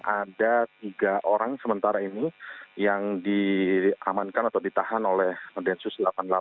ada tiga orang sementara ini yang diamankan atau ditahan oleh densus delapan puluh delapan